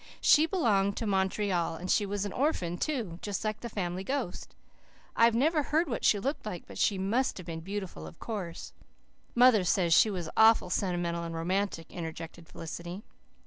She belonged to Montreal and she was an orphan too, just like the Family Ghost. I have never heard what she looked like, but she MUST have been beautiful, of course." "Mother says she was awful sentimental and romantic," interjected Felicity.